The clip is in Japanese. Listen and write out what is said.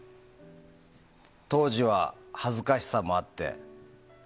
当時は、恥ずかしさもあって。